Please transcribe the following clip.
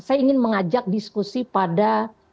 saya ingin mengajak diskusi pada